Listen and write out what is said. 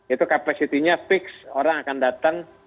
itu kapasitinya fix orang akan datang